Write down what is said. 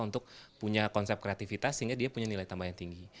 untuk punya konsep kreativitas sehingga dia punya nilai tambah yang tinggi